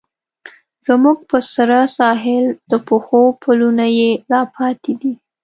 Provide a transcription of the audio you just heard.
زموږ په سره ساحل، د پښو پلونه یې لا پاتې دي